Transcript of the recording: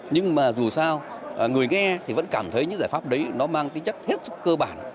nhưng mà dù sao người nghe thì vẫn cảm thấy những giải pháp đấy nó mang tính chất hết sức cơ bản